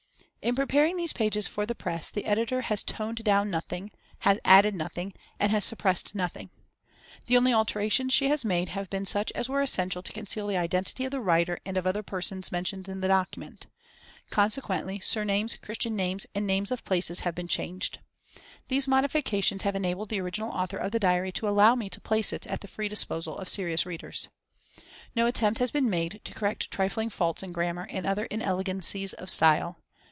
In preparing these pages for the press, the editor has toned down nothing, has added nothing, and has suppressed nothing. The only alterations she has made have been such as were essential to conceal the identity of the writer and of other persons mentioned in the document. Consequently, surnames, Christian names, and names of places, have been changed. These modifications have enabled the original author of the diary to allow me to place it at the free disposal of serious readers. No attempt has been made to correct trifling faults in grammar and other inelegancies of style.